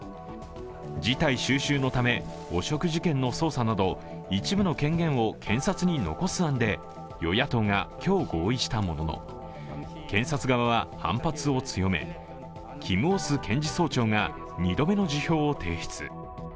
事態収拾のため、汚職事件の捜査など一部の権限を検察に残す案で与野党が今日合意したものの検察側は反発を強め、キム・オス検事総長が２度目の辞表を提出。